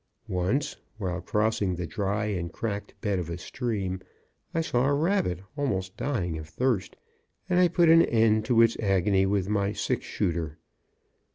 Once, while crossing the dry and cracked bed of a stream, I saw a rabbit, almost dying of thirst, and I put an end to its agony with my six shooter.